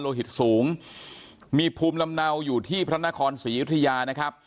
หิตสูงมีภูมิลำเนาอยู่ที่พระนครศรียุธยานะครับ